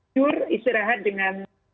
cur istirahat dengan